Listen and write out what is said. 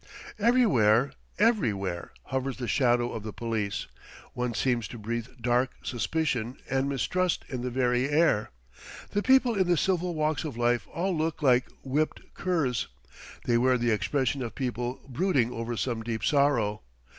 Everywhere, everywhere, hovers the shadow of the police. One seems to breathe dark suspicion and mistrust in the very air. The people in the civil walks of life all look like whipped curs. They wear the expression of people brooding over some deep sorrow.